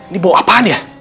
nih bau apaan ya